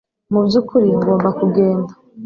Mu byukuri ngomba kugenda